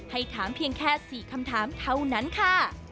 ให้ถามเพียงแค่๔คำถามเท่านั้นค่ะ